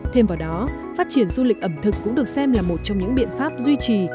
thêm vào đó phát triển du lịch ẩm thực cũng được xem là một trong những biện pháp duy trì